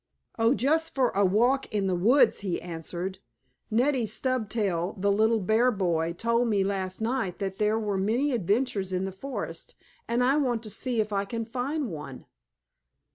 "Oh, just for a walk in the woods," he answered. "Neddie Stubtail, the little bear boy, told me last night that there were many adventures in the forest, and I want to see if I can find one."